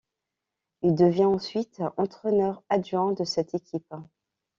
Il devient ensuite entraîneur adjoint de cette équipe.